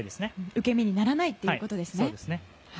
受け身にならないということですね。